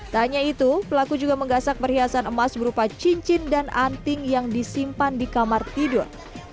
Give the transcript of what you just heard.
tak hanya itu pelaku juga menggasak perhiasan emas berupa cincin dan anting yang disimpan di kamar tidur